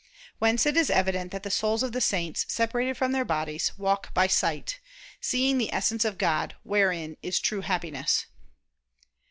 Whence it is evident that the souls of the saints, separated from their bodies, "walk by sight," seeing the Essence of God, wherein is true Happiness.